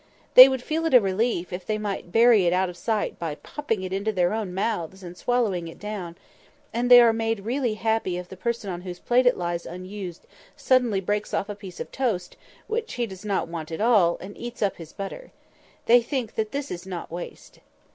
They would feel it a relief if they might bury it out of their sight by popping it into their own mouths and swallowing it down; and they are really made happy if the person on whose plate it lies unused suddenly breaks off a piece of toast (which he does not want at all) and eats up his butter. They think that this is not waste.